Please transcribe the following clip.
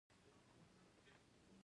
د وینې فشار ولې لوړیږي؟